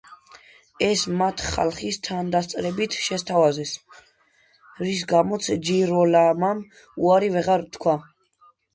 ეს მათ ხალხის თანდასწრებით შესთავაზეს, რის გამოც ჯიროლამომ უარი ვეღარ თქვა.